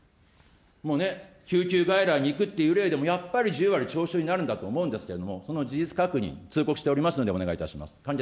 もうね、救急外来に行くっていう例でもやっぱり１０割徴収になるんだと思うんですけれども、その事実関係、通告しておりますので、お願いいたします。